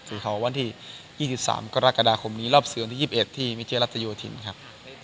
สื่อข่าววันที่๒๓กรกฎาคมนี้รอบสื่อวันที่๒๑ที่มิเชียร์รัฐยูทินครับ